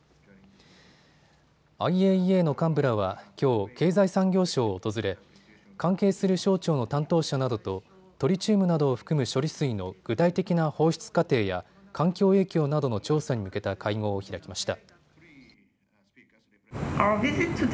ＩＡＥＡの幹部らはきょう経済産業省を訪れ関係する省庁の担当者などとトリチウムなどを含む処理水の具体的な放出過程や環境影響などの調査に向けた会合を開きました。